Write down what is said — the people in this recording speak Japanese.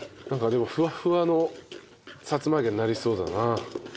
なんかでもフワフワのさつま揚げになりそうだな。